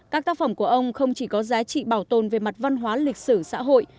các tác phẩm của ông không chỉ có giá trị bảo tồn về mặt văn hóa lịch sử xã hội